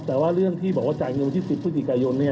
แต่ว่าเรื่องที่บอกว่าจ่ายเงินวันที่๑๐พฤศจิกายน